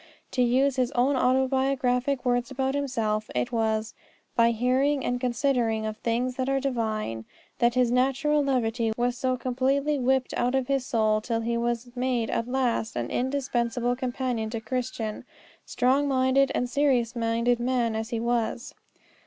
To use his own autobiographic words about himself, it was "by hearing and considering of things that are Divine" that his natural levity was so completely whipped out of his soul till he was made at last an indispensable companion to Christian, strong minded and serious minded man as he was.